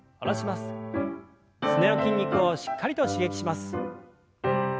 すねの筋肉をしっかりと刺激します。